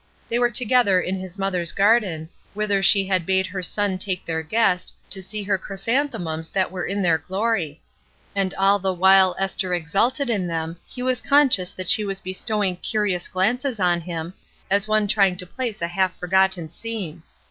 They were together in his mother's garden, whither she had bade her son take their guest to see her chrysanthemums that were in their glory; and all the while Esther exulted in them he was conscious that she was bestowing curious glances on him as one trying to place a half forgotten scene.